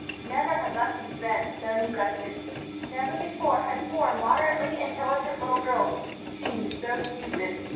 Never had lessons been so neglected. Never before had four moderately intelligent little girls seemed so stupid.